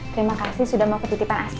terima kasih sudah mau ketitipan asi